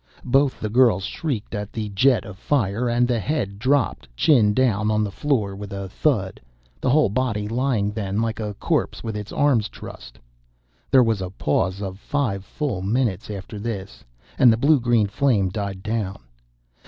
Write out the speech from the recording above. Both the girls shrieked at the jet of fire, and the head dropped, chin down on the floor, with a thud; the whole body lying then like a corpse with its arms trussed. There was a pause of five full minutes after this, and the blue green flame died down.